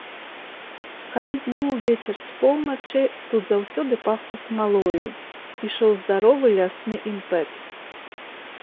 Калі дзьмуў вецер з поўначы, тут заўсёды пахла смалою, ішоў здаровы лясны імпэт.